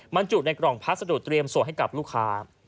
บรรจุในกล่องพัสดุเตรียมส่งให้กับลูกค้า